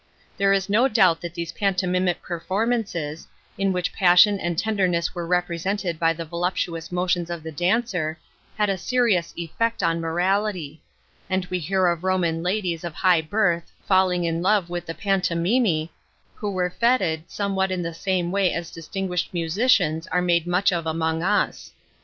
There is no doubt that these pantomimic performances, in which passion and tende>ness were represented by the voluptuous motions of the dancer, had a serious effect on morality ; and we hear of Roman ladies of high birth falling in love with tUe pantomimi, who were fSted somewhat in the same way as distinguished musicians are made much of among us.